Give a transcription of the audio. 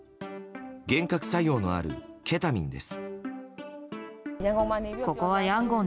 幻覚作用のあるケタミンです。